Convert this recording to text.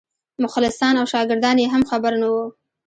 مخلصان او شاګردان یې هم خبر نه وو.